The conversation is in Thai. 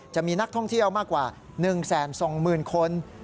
จะมีนักท่องเที่ยวมากกว่า๑๒๐๐๐คน